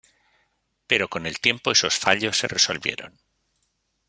Pero con el tiempo esos fallos de resolvieron.